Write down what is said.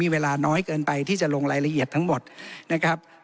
เวลาน้อยเกินไปที่จะลงรายละเอียดทั้งหมดนะครับ